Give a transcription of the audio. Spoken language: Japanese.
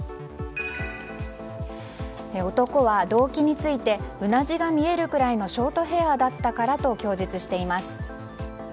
男は動機についてうなじが見えるくらいのショートヘアだったからと供述しています。